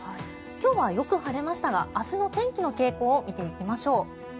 今日はよく晴れましたが明日の天気の傾向を見ていきましょう。